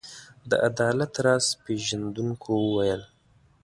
د عدالت راز پيژندونکو وویل.